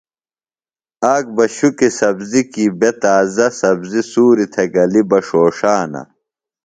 آک بہ شُکیۡ سبزی کی بےۡ تازہ سبزیۡ سُوریۡ تھےۡ گلیۡ بہ ݜوݜانہ۔